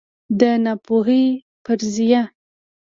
د ناپوهۍ فرضیه